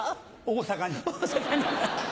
大阪に？